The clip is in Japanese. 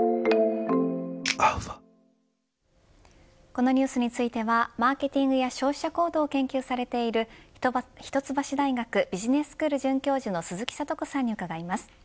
このニュースについてはマーケティングや消費者行動を研究されている一橋大学ビジネススクール准教授の鈴木智子さんに伺います。